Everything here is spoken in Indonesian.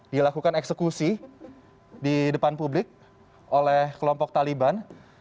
dilakukan eksekusi di depan publik oleh kelompok taliban